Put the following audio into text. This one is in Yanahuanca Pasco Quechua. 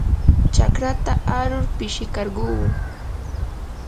chakrata arur pishikarquu.